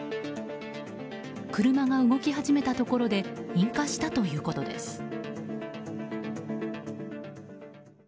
車が動き始めたところで引火したということです。